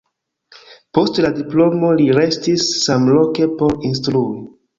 Post la diplomo li restis samloke por instrui.